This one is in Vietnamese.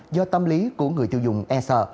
do tâm lý của người tiêu dùng e sợ